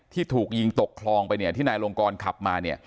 ที่ถูกยิงตกคลองไปที่นายลงกรขับมา